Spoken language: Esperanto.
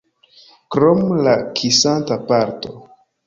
Krom la kisanta parto.